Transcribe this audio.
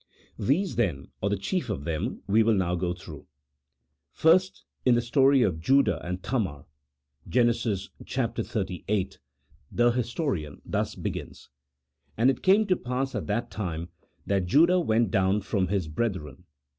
These, then, or the chief of them, we will now go through. First, in the story of Judah and Tamar (Gen. xxxviii.) the historian thus begins :" And it came to pass at that time that Judah went down from Ms brethren."